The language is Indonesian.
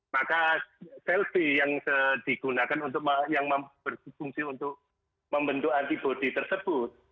maka sel t yang digunakan untuk membentuk antibody tersebut